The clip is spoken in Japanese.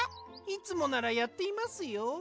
いつもならやっていますよ。